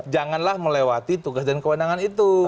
janganlah melewati tugas dan kewenangan itu